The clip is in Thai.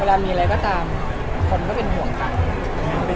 เวลามีอะไรก็ตามคนก็เป็นห่วงกัน